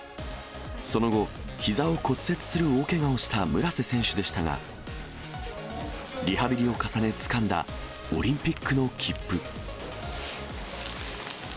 その後、ひざを骨折する大けがをした村瀬選手でしたが、リハビリを重ね、つかんだオリンピックの切符。